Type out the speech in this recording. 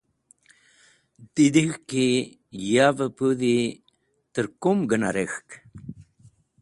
Didig̃h ki yavẽ pudhi tẽr kum gẽna rekhk.